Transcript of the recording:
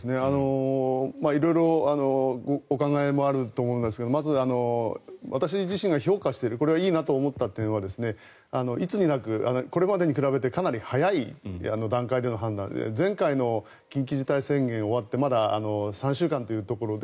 色々お考えもあると思いますがまず、私自身が評価しているこれはいいなと思った点はいつになく、これまでに比べてかなり早い段階での判断で前回の緊急事態宣言が終わってまだ３週間というところで